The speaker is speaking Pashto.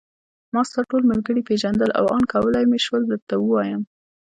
ما ستا ټول ملګري پېژندل او آن کولای مې شول درته ووایم.